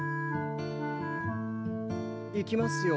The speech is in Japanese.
いきますよ。